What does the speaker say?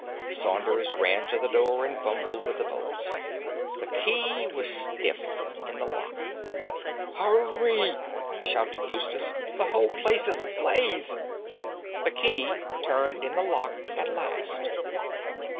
Saunders ran to the door and fumbled with the bolts. The key was stiff in the lock. "Hurry!" shouted Eustace; "the whole place is ablaze!" The key turned in the lock at last.